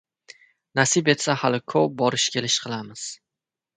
— Nasib etsa, hali ko‘p borish-kelish qilamiz.